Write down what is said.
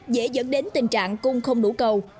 dễ dẫn đến tình trạng cung không đủ cầu